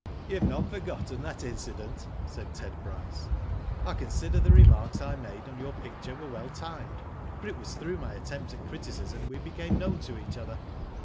"You have not forgotten that incident," said Ted Bryce. I consider the remarks I made, on your picture, were well timed, for it was through my attempt at criticism, we became known to each other."